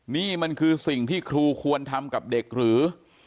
นี่มันคือสิ่งที่ครูควรทำกับเด็กหรือ